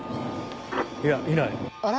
いやいない。